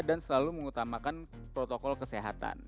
dan selalu mengutamakan protokol kesehatan